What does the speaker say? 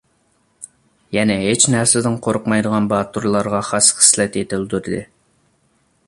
يەنە ھېچ نەرسىدىن قورقمايدىغان باتۇرلارغا خاس خىسلەت يېتىلدۈردى.